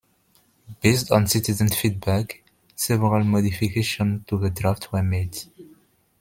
Based on citizen feedback, several modifications to the draft were made.